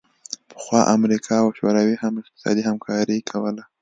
پخوا امریکا او شوروي هم اقتصادي همکاري کوله